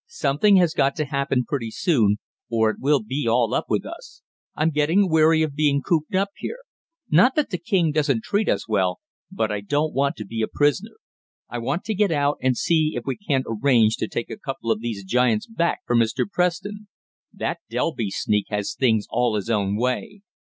"Something has got to happen pretty soon, or it will be all up with us. I'm getting weary of being cooped up here. Not that the king doesn't treat us well, but I don't want to be a prisoner. I want to get out and see if we can't arrange to take a couple of these giants back for Mr. Preston. That Delby sneak has things all his own way."